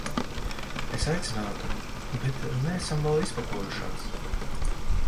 Es aicinātu, bet neesam vēl izpakojušās.